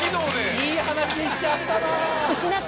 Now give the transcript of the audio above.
いい話にしちゃったな。